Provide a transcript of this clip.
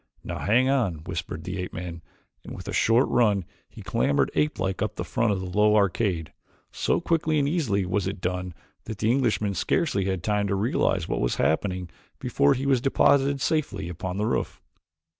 "Now, hang on," whispered the ape man, and with a short run he clambered apelike up the front of the low arcade. So quickly and easily was it done that the Englishman scarcely had time to realize what was happening before he was deposited safely upon the roof.